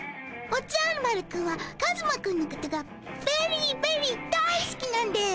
おじゃる丸くんはカズマくんのことがベリーベリー大好きなんです！